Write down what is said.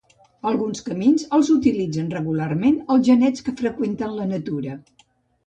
Alguns camins els utilitzen regularment els genets que freqüenten la natura.